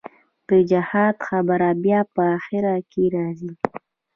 د جهاد خبره بيا په اخر کښې رځي.